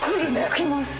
きます。